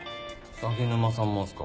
鷺沼さんもですか？